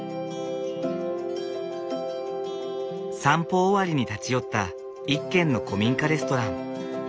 散歩終わりに立ち寄った一軒の古民家レストラン。